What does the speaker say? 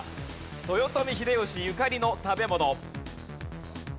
豊臣秀吉ゆかりの食べ物。